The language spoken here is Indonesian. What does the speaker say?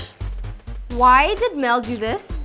kenapa mel melakukan ini